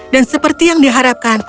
dan seperti yang diharapkan